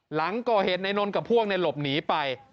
หลังก่อเหตุนายนนท์กับพวกในหลบหนีไป